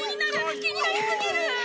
気になりすぎる！